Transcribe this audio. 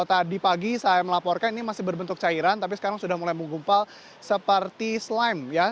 tadi pagi saya melaporkan ini masih berbentuk cairan tapi sekarang sudah mulai menggumpal seperti slime ya